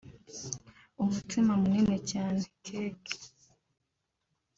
umutsima munini cyane (cake)